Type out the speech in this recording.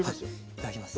いただきます。